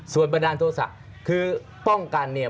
ส่วนบันดาลโทษะคือป้องกันเนี่ย